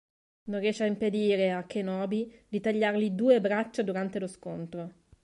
Non riesce a impedire a Kenobi di tagliargli due braccia durante lo scontro.